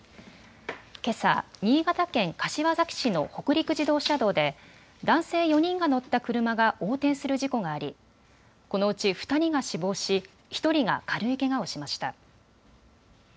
けさ、新潟県柏崎市の北陸自動車道で男性４人が乗った車が横転する事故がありこのうち２人が死亡し１人が軽いけがをしました。